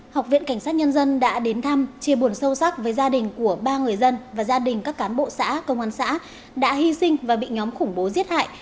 học viện cảnh sát nhân dân đã đến thăm chia buồn sâu sắc với gia đình của ba người dân và gia đình các cán bộ xã công an xã đã hy sinh và bị nhóm khủng bố giết hại